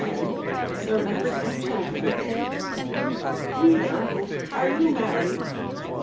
SERVANTS AND CHILDREN. READER! are you married?